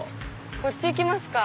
こっち行きますか。